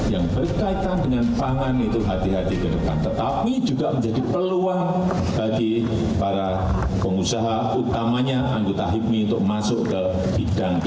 yang berkaitan dengan pangan itu hati hati ke depan tetapi juga menjadi peluang bagi para pengusaha utamanya anggota hipmi untuk masuk ke bidang